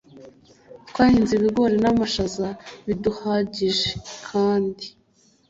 Twahinze ibigori namashaza biduhagije kandi